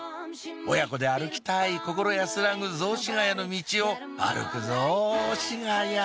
親子で歩きたい心安らぐ雑司が谷のミチを歩くゾシガヤ！